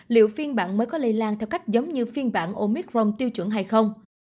liệu phiên bản mới có lây lan theo cách giống như phiên bản omicron tiêu chuẩn hay không